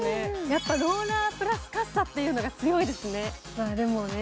やっぱりローラー、プラスカッサというのが強いですね。